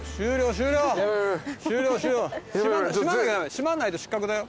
閉まんないと失格だよ。